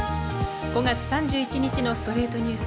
５月３１日の『ストレイトニュース』。